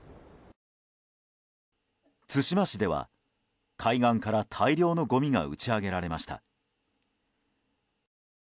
対馬市では海岸から大量のごみが打ち上げられました。